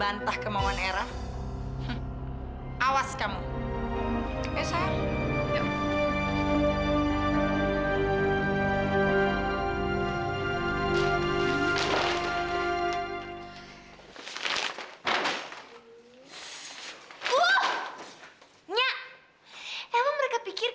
udah deh gak usah ngelak